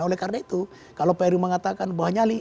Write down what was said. oleh karena itu kalau pak heru mengatakan bahwa nyali